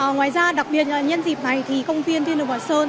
ngoài ra đặc biệt nhân dịp này thì công viên thiên đường hòa sơn